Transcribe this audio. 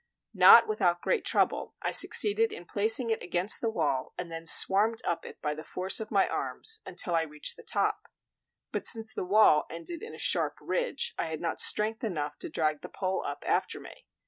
Not without great trouble, I succeeded in placing it against the wall, and then swarmed up it by the force of my arms until I reached the top. But since the wall ended in a sharp ridge, I had not strength enough to drag the pole up after me.